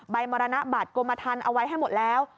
มรณบัตรกรมทันเอาไว้ให้หมดแล้ว